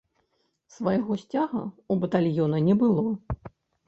Свайго сцяга ў батальёна не было.